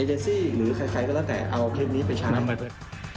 เอเจสซี่หรือใครก็แล้วแต่เอาคลิปนี้ไปใช้